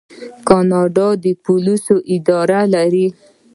کاناډا د پولیسو اداره لري.